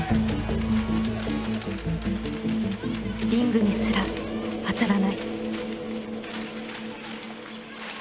リングにすら当たらない。